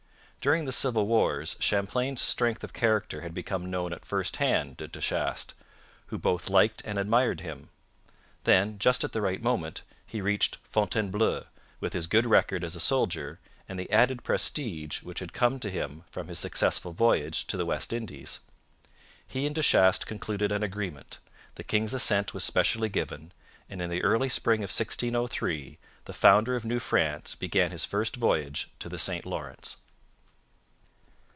During the civil wars Champlain's strength of character had become known at first hand to De Chastes, who both liked and admired him. Then, just at the right moment, he reached Fontainebleau, with his good record as a soldier and the added prestige which had come to him from his successful voyage to the West Indies. He and De Chastes concluded an agreement, the king's assent was specially given, and in the early spring of 1603 the founder of New France began his first voyage to the St Lawrence.